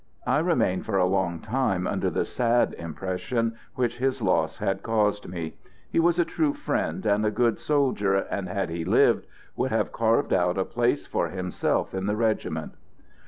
I remained for a long time under the sad impression which his loss had caused me. He was a true friend and a good soldier, and, had he lived, would have carved out a place for himself in the regiment.